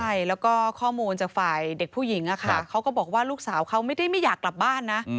ใช่แล้วก็ข้อมูลจากฝ่ายเด็กผู้หญิงอะค่ะเขาก็บอกว่าลูกสาวเขาไม่ได้ไม่อยากกลับบ้านนะ